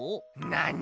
なに？